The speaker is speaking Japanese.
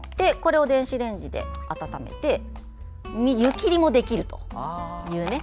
これを電子レンジで温めて湯切りもできるという。